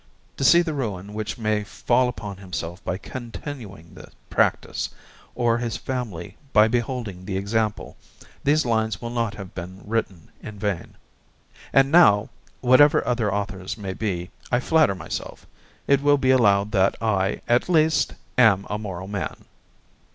to see the ruin which may fall upon himself by continuing the practice, or his family by beholding the example, these lines will not have been written in vain. And now, whatever other authors may be, I flatter myself, it will be allowed that I, at least, am a moral man.